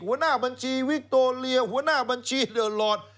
หัวหน้าบัญชีวิคโตเรียหัวหน้าบัญชีเดอร์หลอด